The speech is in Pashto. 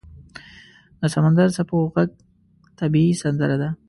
• د سمندر څپو ږغ طبیعي سندره ده.